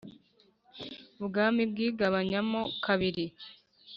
ubwami bwigabanya mo kabiri